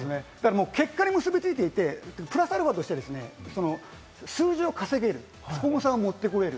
結果に結びついていて、プラスアルファとして数字を稼げる、スポンサーを持ってこれる。